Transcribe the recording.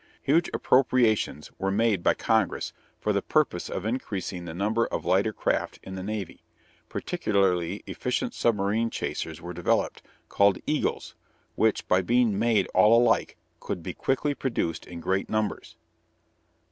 Huge appropriations were made by Congress for the purpose of increasing the number of lighter craft in the navy. Particularly efficient submarine chasers were developed, called "Eagles," which, by being made all alike, could be quickly produced in great numbers.